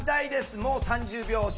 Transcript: もう３０秒押し。